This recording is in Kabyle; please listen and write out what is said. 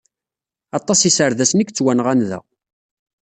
Aṭas iserdasen i yettwanɣan da.